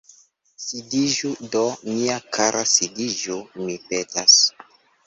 Sidiĝu do, mia kara, sidiĝu, mi petas!